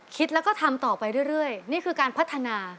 คิดแล้วก็ทำต่อไปเรื่อยนี่คือการพัฒนา